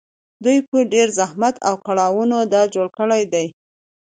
دوی په ډېر زحمت او کړاوونو دا جوړ کړي دي